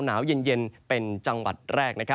หนาวเย็นเป็นจังหวัดแรก